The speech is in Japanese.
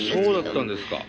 そうだったんですか。